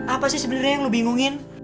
apa sih sebenarnya yang lo bingungin